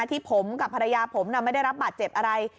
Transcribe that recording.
ที่ผมกับภรรยาผมไม่ได้รับบาดเจ็บอะไร